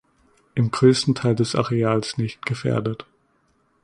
Im größten Teil des Areals nicht gefährdet.